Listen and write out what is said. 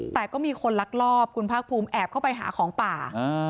แต่ก็มีคนลักลอบคุณภาคภูมิแอบเข้าไปหาของป่า